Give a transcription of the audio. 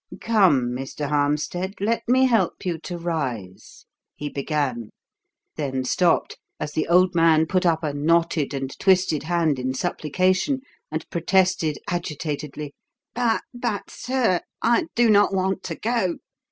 "Come, Mr. Harmstead, let me help you to rise," he began; then stopped as the old man put up a knotted and twisted hand in supplication and protested agitatedly: "But but, sir, I do not want to go.